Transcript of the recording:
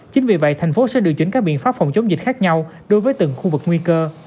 chính vì vậy thành phố sẽ điều chỉnh các biện pháp phòng chống dịch khác nhau đối với từng khu vực nguy cơ